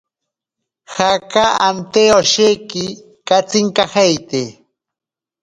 Jaka ante osheki katsinkajeiti.